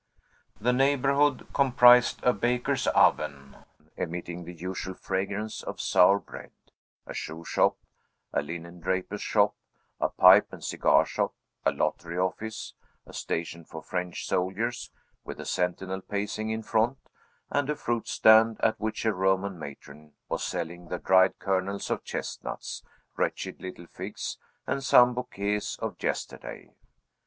The neighborhood comprised a baker's oven, emitting the usual fragrance of sour bread; a shoe shop; a linen draper's shop; a pipe and cigar shop; a lottery office; a station for French soldiers, with a sentinel pacing in front; and a fruit stand, at which a Roman matron was selling the dried kernels of chestnuts, wretched little figs, and some bouquets of yesterday.